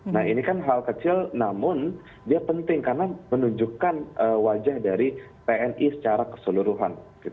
nah ini kan hal kecil namun dia penting karena menunjukkan wajah dari tni secara keseluruhan